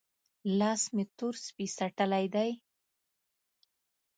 لاس مې تور سپۍ څټلی دی؟